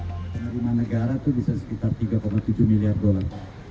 penerimaan negara itu bisa sekitar tiga tujuh miliar dolar